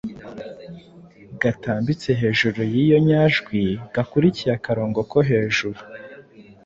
gatambitse hejuru y’iyo nyajwi, gakurikiye akarongo ko hejuru.